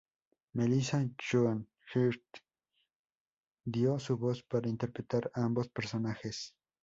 Melissa Joan Hart dio su voz para interpretar a ambos personajes.